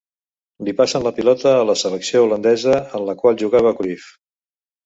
Li passen la pilota a la selecció holandesa en la qual jugava Cruyff.